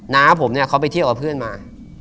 น้าผมเนี่ยเขาไปเที่ยวกับเพื่อนมา